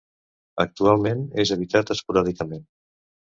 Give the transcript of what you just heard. Actualment és habitat esporàdicament.